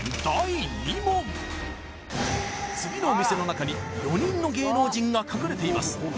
第２問次のお店の中に４人の芸能人が隠れています